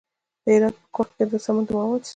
د هرات په کرخ کې د سمنټو مواد شته.